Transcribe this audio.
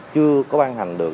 chưa có ban hành được